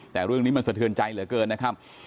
แต่เรื่องนี้มันสะเทือนใจเหลือเกินนะครับ